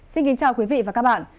xin kính chào quý vị và các bạn